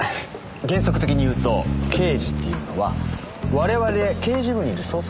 原則的に言うと刑事っていうのは我々刑事部にいる捜査員だけなんですよ。